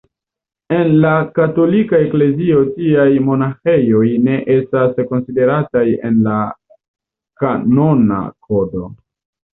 En la Katolika Eklezio tiaj monaĥejoj ne estas konsiderataj en la Kanona Kodo.